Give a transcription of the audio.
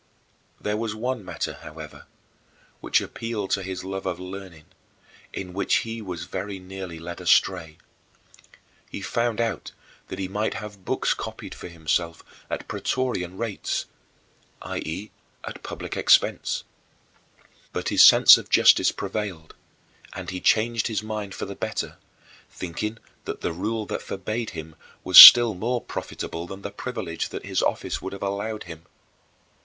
There was one matter, however, which appealed to his love of learning, in which he was very nearly led astray. He found out that he might have books copied for himself at praetorian rates [i.e., at public expense]. But his sense of justice prevailed, and he changed his mind for the better, thinking that the rule that forbade him was still more profitable than the privilege that his office would have allowed him.